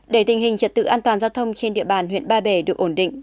để tình hình trật tự an toàn giao thông trên địa bàn huyện ba bể được ổn định